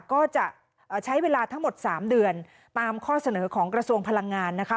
ก็จะใช้เวลาทั้งหมด๓เดือนตามข้อเสนอของกระทรวงพลังงานนะคะ